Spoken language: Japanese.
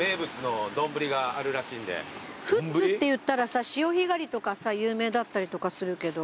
富津っていったらさ潮干狩りとかさ有名だったりとかするけど。